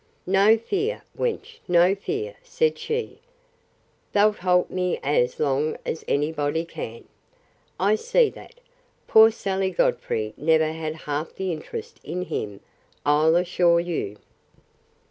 No fear, wench; no fear, said she; thou'lt hold him as long as any body can, I see that!—Poor Sally Godfrey never had half the interest in him, I'll assure you.